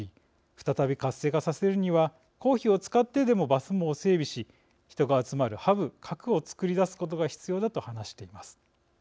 再び活性化させるには公費を使ってでもバス網を整備し人が集まるハブ核を作り出すことが必要だ」と話しています。